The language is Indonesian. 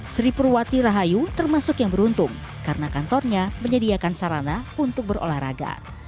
sri purwati rahayu termasuk yang beruntung karena kantornya menyediakan sarana untuk berolahraga